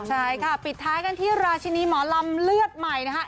ใช่ค่ะปิดท้ายกันที่ราชินีหมอลำเลือดใหม่นะคะ